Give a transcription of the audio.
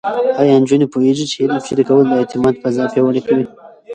ایا نجونې پوهېږي چې علم شریکول د اعتماد فضا پیاوړې کوي؟